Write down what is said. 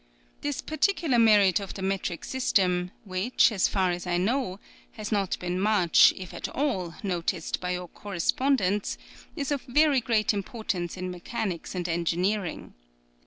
This particular merit of the metricsystem, which, so far as I know, has not been much, if at all, noticed by your correspondents, is of very great importance in mechanics and engineering.